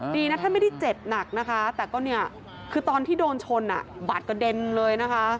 ดีนะท่านไม่ได้เจ็บหนักนะคะแต่ก็เนี่ยคือตอนที่โดนชนบาดกระเด็นเลยนะคะ